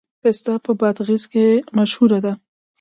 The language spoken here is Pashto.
پسته په بادغیس کې مشهوره ده